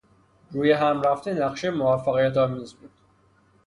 رویهمرفته نقشه موفقیتآمیز بود.